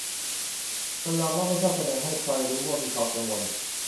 คนเรามักไม่ชอบแสดงให้ใครรู้ว่ามีความกังวล